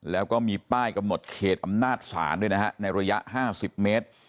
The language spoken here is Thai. แล้วก็มีป้ายกำหนดเขตอำนาจศาลด้วยนะฮะในระยะ๕๐เมตร